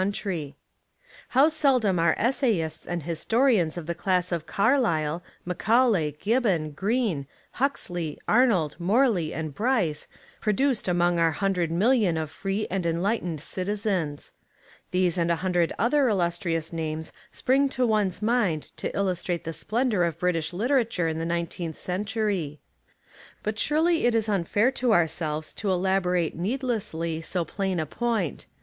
69 Essays and lAterary Studies How seldom are essayists and historians of the class of Carlyle, Macaulay, Gibbon, Green, Huxley, Arnold, Morley, and Bryce produced among our hundred million of free and en lightened citizens. These and a hundred other illustrious names spring to one's mind to illus trate the splendour of British literature in the nineteenth century. But surely it is unfair to ourselves to elaborate needlessly so plain a point.